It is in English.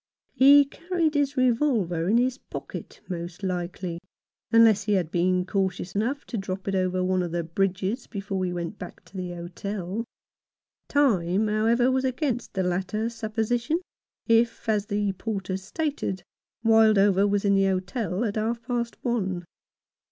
He carried his revolver in his pocket, most likely, unless he had been cautious enough to drop it over one of the bridges before he went back to the hotel. 126 John Fcmnces Experiences. No. 29. Time, however, was against the latter supposi tion, if, as the porter stated, Wildover was in the hotel at half past one.